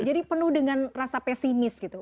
penuh dengan rasa pesimis gitu